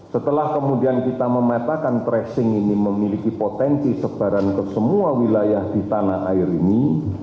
setelah kemudian kita memetakan tracing ini memiliki potensi sebaran ke semua wilayah di tanah air ini